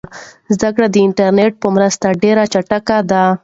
زده کړه د انټرنیټ په مرسته ډېره چټکه ده.